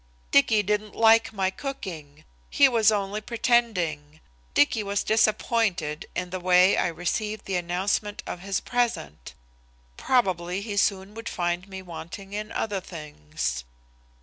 Dicky didn't like my cooking! He was only pretending! Dicky was disappointed in the way I received the announcement of his present! Probably he soon would find me wanting in other things.